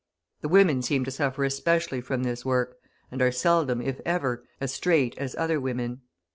The women seem to suffer especially from this work, and are seldom, if ever, as straight as other women.